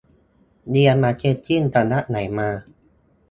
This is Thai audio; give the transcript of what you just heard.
เรียนมาร์เก็ตติ้งสำนักไหนมา